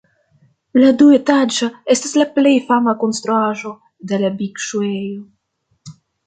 La duetaĝa estas la plej fama konstruaĵo de la bikŝuejo.